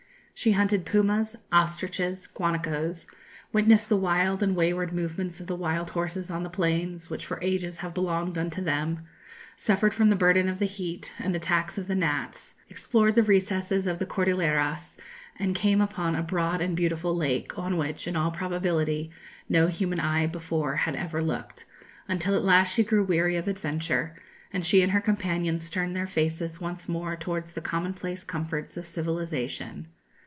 She hunted pumas, ostriches, guanacos; witnessed the wild and wayward movements of the wild horses on the plains, which for ages have belonged unto them; suffered from the burden of the heat, and the attacks of the gnats; explored the recesses of the Cordilleras, and came upon a broad and beautiful lake, on which, in all probability, no human eye before had ever looked; until at last she grew weary of adventure, and she and her companions turned their faces once more towards the commonplace comforts of civilization.